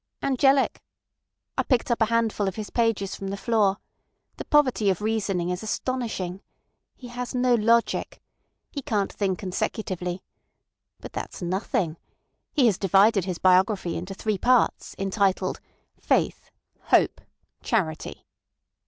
"Angelic. ... I picked up a handful of his pages from the floor. The poverty of reasoning is astonishing. He has no logic. He can't think consecutively. But that's nothing. He has divided his biography into three parts, entitled—'Faith, Hope, Charity.